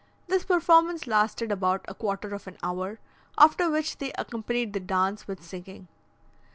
This performance lasted about a quarter of an hour, after which they accompanied the dance with singing.